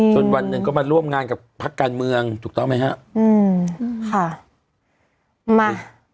วันหนึ่งก็มาร่วมงานกับพักการเมืองถูกต้องไหมฮะอืมค่ะมา